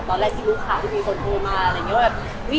ตอนแรกที่รู้ข่าวที่มีคนโทรมาอะไรอย่างนี้ว่าแบบ